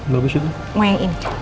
mau yang ini